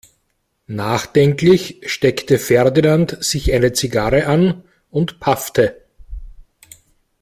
Nachdenklich steckte Ferdinand sich eine Zigarre an und paffte.